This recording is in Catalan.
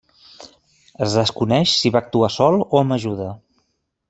Es desconeix si va actuar sol o amb ajuda.